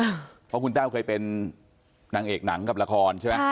เพราะคุณแต้วเคยเป็นนางเอกหนังกับละครใช่ไหม